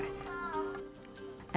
yang diolah dengan santan segar